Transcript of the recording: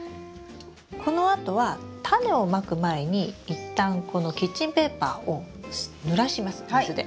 このあとはタネをまく前に一旦このキッチンペーパーをぬらします水で。